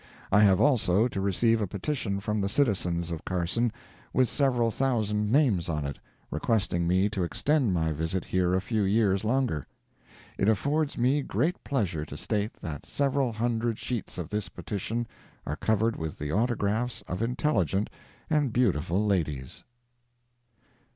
I have also to receive a petition from citizens of Carson, with several thousand names on it, requesting me to extend my visit here a few years longer. It affords me great pleasure to state that several hundred sheets of this petition are covered with the autographs of intelligent and beautiful ladies.